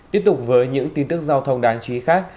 tiếp tục với những tin tức giao thông đáng chú ý khác